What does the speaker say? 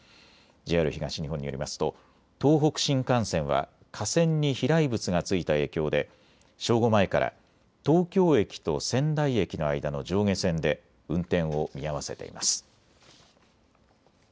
ＪＲ東日本によりますと東北新幹線は架線に飛来物がついた影響で正午前から東京駅と仙台駅の間の上下線で運転を見合わせています。